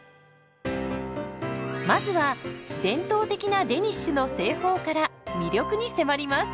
まずは伝統的なデニッシュの製法から魅力に迫ります。